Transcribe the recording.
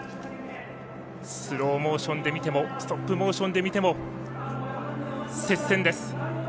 スローモーションで見てもストップモーションで見ても接戦です。